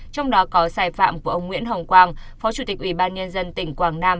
trong đó có sai phạm của ông nguyễn hồng quang phó chủ tịch ủy ban nhân dân tỉnh quảng nam